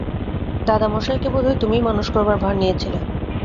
দাদামশায়কে বোধ হয় তুমিই মানুষ করবার ভার নিয়েছিলে।